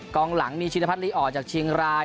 กลางหลังมีชีวิตภัทรลิอดจากเชียงราย